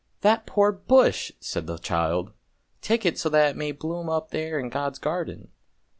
" That poor bush! " said the child; " take it so that it may bloom up there in God's garden."